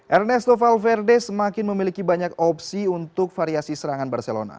ernesto valverde semakin memiliki banyak opsi untuk variasi serangan barcelona